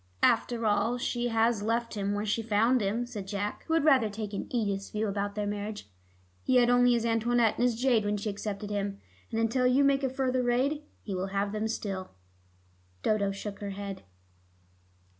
"After all, she has left him where she found him," said Jack, who had rather taken Edith's view about their marriage. "He had only his Antoinette and his jade when she accepted him, and until you make a further raid, he will have them still." Dodo shook her head.